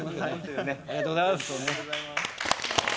ありがとうございます。